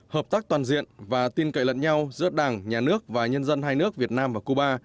hợp tác toàn diện và tin cậy lẫn nhau giữa đảng nhà nước và nhân dân hai nước việt nam và cuba